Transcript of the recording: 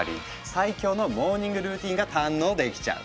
最強のモーニングルーティンが堪能できちゃう。